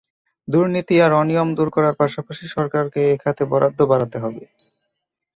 দুর্নীতি আর অনিয়ম দূর করার পাশাপাশি সরকারকে এ খাতে বরাদ্দ বাড়াতে হবে।